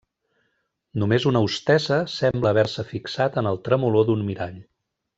Només una hostessa sembla haver-se fixat en el tremolor d'un mirall.